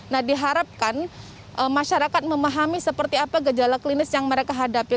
nah diharapkan masyarakat memahami seperti apa gejala klinis yang mereka hadapi